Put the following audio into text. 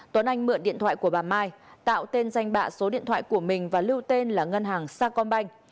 tuấn anh mượn điện thoại của bà mai tạo tên danh bạ số điện thoại của mình và lưu tên là ngân hàng sa công banh